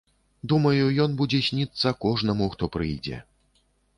Думаю, ён будзе сніцца кожнаму, хто прыйдзе.